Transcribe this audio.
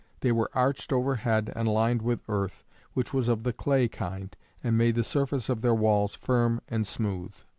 They were arched over head and lined with earth, which was of the clay kind, and made the surface of their walls firm and smooth.